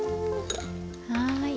はい。